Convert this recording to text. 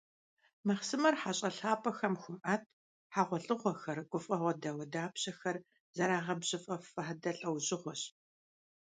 Махъсымэр хьэщIэ лъапIэхэм хуаIэт, хьэгъуэлIыгъуэр, гуфIэгъуэ дауэдапщэхэр зэрагъэбжьыфIэ фадэ лIэужьыгъуэщ.